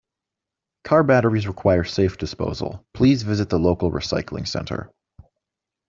Car batteries require safe disposal, please visit the local recycling center.